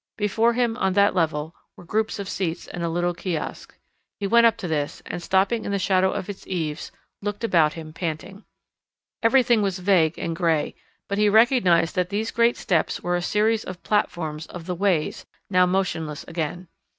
Before him, on that level, were groups of seats and a little kiosk. He went up to this and, stopping in the shadow of its eaves, looked about him panting. Everything was vague and grey, but he recognised that these great steps were a series of platforms of the "ways," now motionless again.